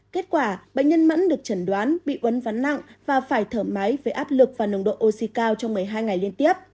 kết quả bệnh nhân mẫn được chẩn đoán bị uốn ván nặng và phải thở máy với áp lực và nồng độ oxy cao trong một mươi hai ngày liên tiếp